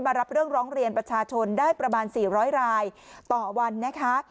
รับเรื่องร้องเรียนประชาชนได้ประมาณ๔๐๐รายต่อวันนะคะ